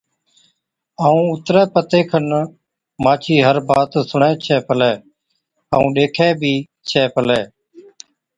ائُون اُترَي پتَي کن مانڇِي هر بات سُڻَي ڇَي پلِي ائُون ڏيکَي بہ ڇَي پلِي۔